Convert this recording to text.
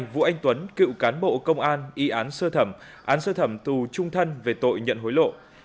hai vũ anh tuấn cựu cán bộ công an y án sơ thẩm án sơ thẩm tù trung thân về tội nhận hối lộ